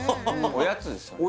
おやつですよね